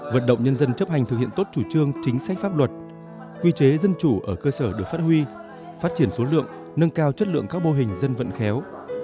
vận động nhân dân chấp hành thực hiện tốt chủ trương chính sách pháp luật quy chế dân chủ ở cơ sở được phát huy phát triển số lượng nâng cao chất lượng các mô hình dân vận khéo